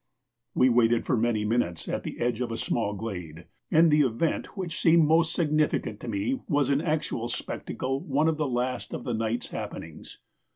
We waited for many minutes at the edge of a small glade, and the event which seemed most significant to me was in actual spectacle one of the last of the night's happenings.